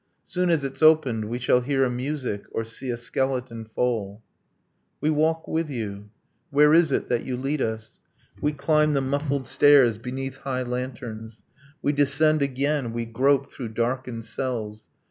Soon as it's opened we shall hear a music: Or see a skeleton fall ... We walk with you. Where is it that you lead us? We climb the muffled stairs beneath high lanterns. We descend again. We grope through darkened cells.